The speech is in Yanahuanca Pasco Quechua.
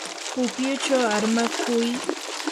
pukyuchaw armakuy.